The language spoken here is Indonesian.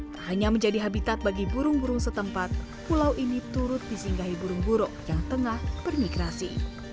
tak hanya menjadi habitat bagi burung burung setempat pulau ini turut disinggahi burung burung yang tengah bermigrasi